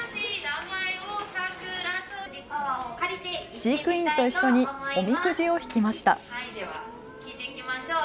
飼育員と一緒におみくじを引きました。